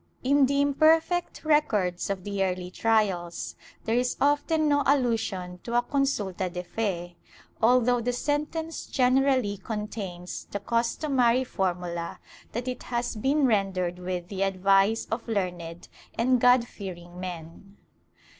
^ In the imperfect records of the early trials, there is often no allusion to a consulta de fe, although the sentence generally con tains the customary formula that it has been rendered with the advice of learned and God fearing men.